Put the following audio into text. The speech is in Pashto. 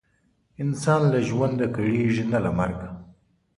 انسان له ژونده کړیږي نه له مرګه.